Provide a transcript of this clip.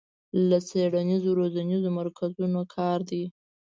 له څېړنیزو روزنیزو مرکزونو کار دی